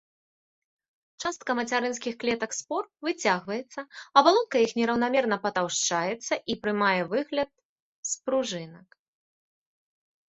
Частка мацярынскіх клетак спор выцягваецца, абалонка іх нераўнамерна патаўшчаецца і прымае выгляд спружынак.